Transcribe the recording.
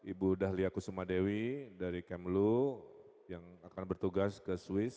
ibu dahlia kusuma dewi dari kemlu yang akan bertugas ke swiss